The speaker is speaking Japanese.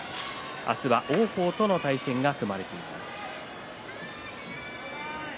明日は王鵬との対戦が組まれています。